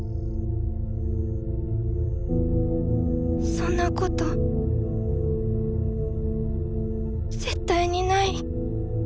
そんなこと絶対にない。